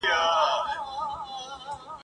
نړوي چي مدرسې د واسکټونو ..